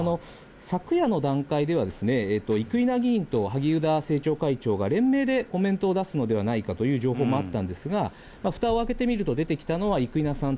昨夜の段階では、生稲議員と萩生田政調会長が連名でコメントを出すのではないかという情報もあったんですが、ふたを開けてみると、出てきたのは、生稲さん